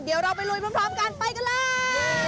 เดี๋ยวเราไปลุยพร้อมกันไปกันเลย